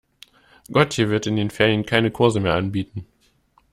Gotje wird in den Ferien keine Kurse mehr anbieten.